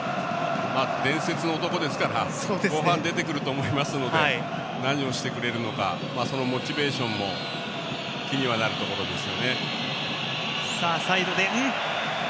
伝説の男ですから後半、出てくると思いますので何をしてくれるのかそのモチベーションも気にはなるところですね。